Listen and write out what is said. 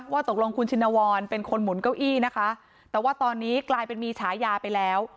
ว่าตกลงคุณชินวรเป็นคนหมุนเก้าอี้นะคะแต่ว่าตอนนี้กลายเป็นมีฉายาไปแล้ว